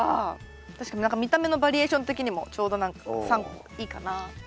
確かに見た目のバリエーション的にもちょうど何か３個いいかな。